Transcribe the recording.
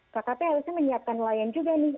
kkp harusnya menyiapkan nelayan juga nih